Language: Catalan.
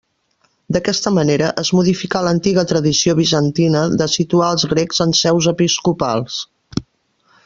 D'aquesta manera, es modificà l'antiga tradició bizantina de situar als grecs en seus episcopals.